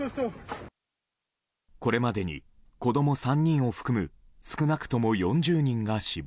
これまでに子供３人を含む少なくとも４０人が死亡。